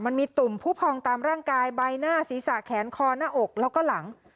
ตุ่มผู้พองตามร่างกายใบหน้าศีรษะแขนคอหน้าอกแล้วก็หลัง